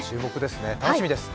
楽しみです。